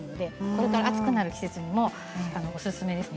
これから暑くなる季節おすすめです。